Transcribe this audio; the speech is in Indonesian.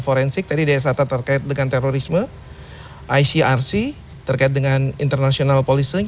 forensik dari desa terkait dengan terorisme icrc terkait dengan international policing